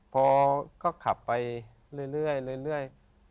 พอก็ขับไปเรื่อย